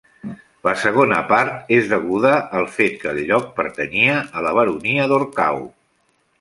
La segona part és deguda al fet que el lloc pertanyia a la baronia d'Orcau.